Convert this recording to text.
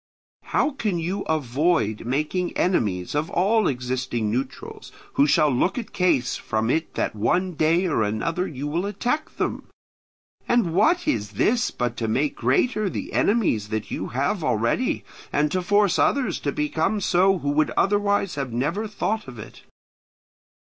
How can you avoid making enemies of all existing neutrals who shall look at case from it that one day or another you will attack them? And what is this but to make greater the enemies that you have already, and to force others to become so who would otherwise have never thought of it?